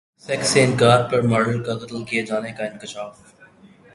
sex سے انکار پر ماڈل کا قتل کیے جانے کا انکشاف